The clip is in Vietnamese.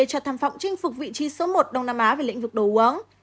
cho tham vọng chinh phục vị trí số một đông nam á về lĩnh vực đồ uống